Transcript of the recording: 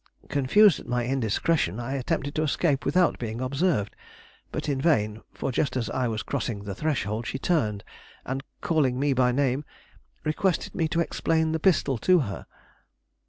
Confused at my indiscretion, I attempted to escape without being observed; but in vain, for just as I was crossing the threshold, she turned and, calling me by name, requested me to explain the pistol to her.